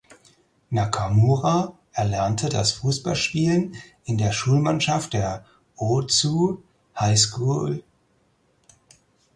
Nakamura erlernte das Fußballspielen in der Schulmannschaft der "Ozu High School".